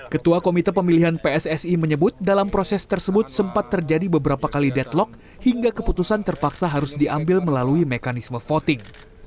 ketua komite pemilihan pssi menyebut dalam proses tersebut sempat terjadi beberapa kali deadlock hingga keputusan terpaksa harus diambil melalui mekanisme voting